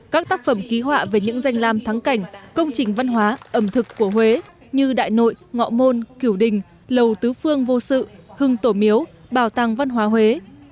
các tác phẩm ký họa về những danh lam thắng cảnh công trình văn hóa ẩm thực của huế như đại nội ngọ môn kiểu đình lầu tứ phương vô sự hưng tổ miếu bảo tàng văn hóa huế